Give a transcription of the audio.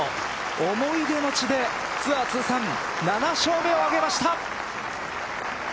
思い出の地でツアー通算７勝目を挙げました。